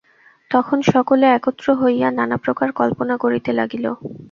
তখন সকলে একত্র হইয়া নানাপ্রকার কল্পনা করিতে লাগিল।